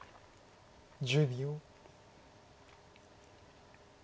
１０秒。